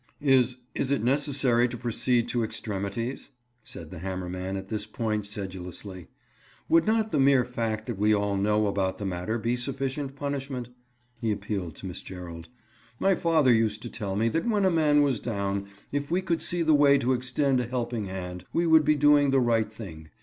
"Is—is it necessary to proceed to extremities?" said the hammer man at this point sedulously. "Would not the mere fact that we all know about the matter be sufficient punishment?" He appealed to Miss Gerald. "My father used to tell me that when a man was down, if we could see the way to extend a helping hand, we would be doing the right thing.